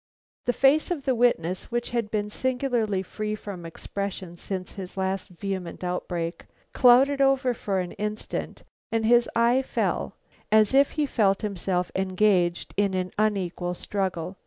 The face of the witness, which had been singularly free from expression since his last vehement outbreak, clouded over for an instant and his eye fell as if he felt himself engaged in an unequal struggle.